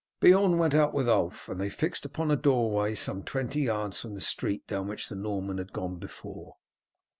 Beorn went out with Ulf, and they fixed upon a doorway some twenty yards from the street down which the Norman had before gone.